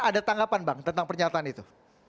ada tanggapan bang tentang pernyataan itu